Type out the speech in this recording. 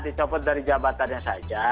dicopot dari jabatannya saja